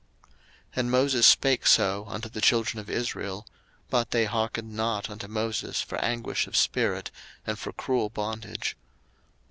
02:006:009 And Moses spake so unto the children of Israel: but they hearkened not unto Moses for anguish of spirit, and for cruel bondage.